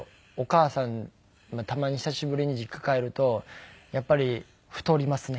たまに久しぶりに実家帰るとやっぱり太りますね。